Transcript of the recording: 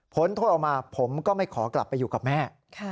โทษออกมาผมก็ไม่ขอกลับไปอยู่กับแม่